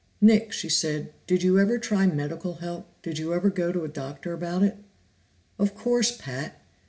"Nick," she said, "did you ever try medical help? Did you ever go to a doctor about it?" "Of course, Pat!